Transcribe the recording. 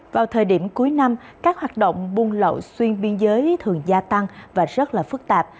vào thời điểm cuối năm các hoạt động buôn lậu xuyên biên giới thường gia tăng và rất là phức tạp